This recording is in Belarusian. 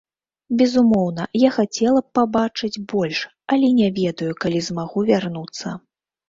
Безумоўна, я хацела б пабачыць больш, але не ведаю, калі змагу вярнуцца.